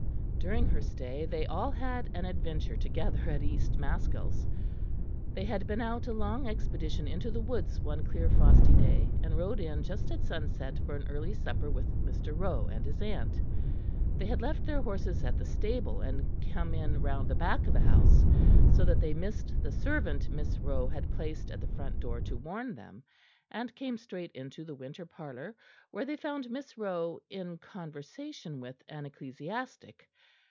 During her stay they all had an adventure together at East Maskells. They had been out a long expedition into the woods one clear frosty day and rode in just at sunset for an early supper with Mr. Rowe and his aunt. They had left their horses at the stable and come in round the back of the house; so that they missed the servant Miss Rowe had placed at the front door to warn them, and came straight into the winter parlour, where they found Miss Rowe in conversation with an ecclesiastic.